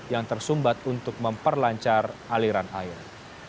yang tersumbat untuk memperlancar aliran air